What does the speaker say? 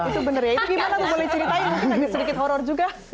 itu bener ya itu gimana tuh boleh ceritain sedikit horror juga